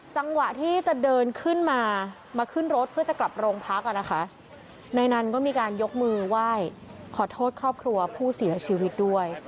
จังหวะที่จะเดินขึ้นมามาขึ้นรถเพื่อจะกลับโรงพักอ่ะนะคะนายนันก็มีการยกมือไหว้ขอโทษครอบครัวผู้เสียชีวิตด้วย